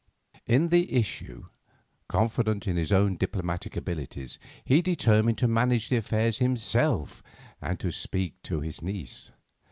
In the issue, confident in his own diplomatic abilities, he determined to manage the affair himself and to speak to his niece.